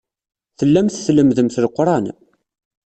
Tellamt tlemmdemt Leqran.